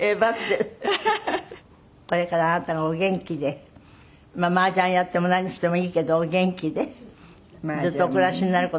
これからあなたがお元気でまあ麻雀やっても何してもいいけどお元気でずっとお暮らしになる事祈ってます。